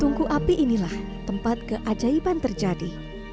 tungku api inilah tempat keajaiban terjadi